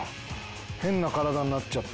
変な体になっちゃった。